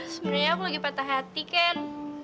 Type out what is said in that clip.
sebenarnya aku lagi patah hati kan